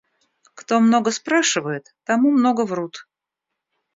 Кто много спрашивает, тому много врут.